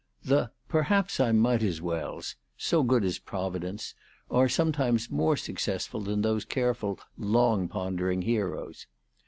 The " perhaps I might as wells," so good is Providence, are sometimes more successful than those careful, long pondering heroes.